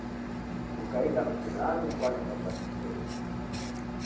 Kukaida mtihani kwanekwa satfiketi.